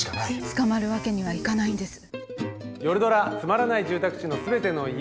捕まるわけにはいかないんです。